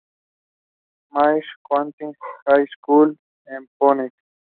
Mary's Catholic High School en Phoenix.